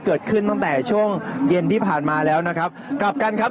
เกิดขึ้นตั้งแต่ช่วงเย็นที่ผ่านมาแล้วนะครับกลับกันครับ